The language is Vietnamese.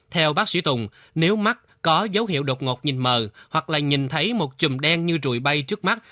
theo bác sĩ tùng nếu mắc có dấu hiệu đột ngột nhìn mờ hoặc là nhìn thấy một chùm đen như rùi bay trước mắt